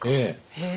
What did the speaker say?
へえ。